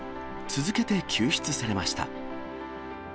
続けて救出されました。